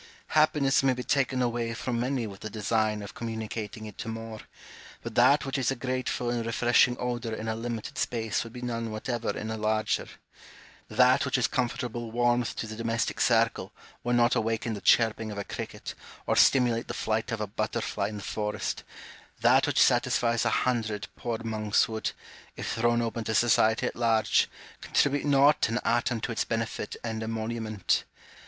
Happiness may be taken away from many with the design of communicating it to more : but that which is a grateful and refreshing odour in a limited space would be none whatever in a larger ; that which is comfortable warmth to the domestic circle would not awaken the chirping of a cricket, or stimulate the flight of a butter fly, in the forest; that which satisfies a hundred poor monks would, if thrown open to society at large, contribute not an atom to its benefit and emolument.